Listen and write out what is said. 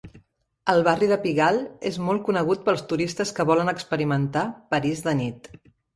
El barri de Pigalle és molt conegut pels turistes que volen experimentar "París de nit".